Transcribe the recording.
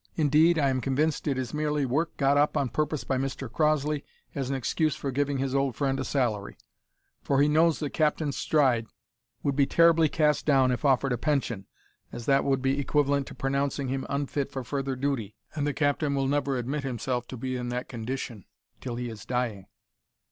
Indeed, I am convinced it is merely work got up on purpose by Mr Crossley as an excuse for giving his old friend a salary, for he knows that Captain Stride would be terribly cast down if offered a pension, as that would be equivalent to pronouncing him unfit for further duty, and the Captain will never admit himself to be in that condition till he is dying.